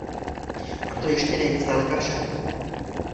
A to ještě není zdaleka všechno...